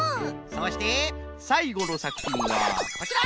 そしてさいごのさくひんはこちら！